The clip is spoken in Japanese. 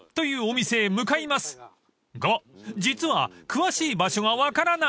［が実は詳しい場所が分からない！］